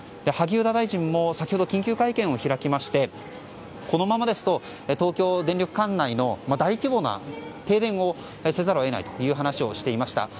萩生田大臣も先ほど緊急会見を開きましてこのままですと東京電力管内の大規模な停電をせざるを得ないという話をしていました。